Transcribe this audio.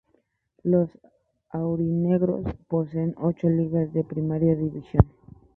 Los "aurinegros" poseen ocho ligas de Primera división.